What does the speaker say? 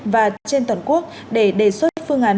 trên toàn quốc để đề xuất phương án